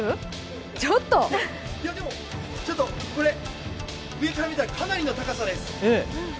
でも、ちょっとこれ上から見たらかなりの高さです。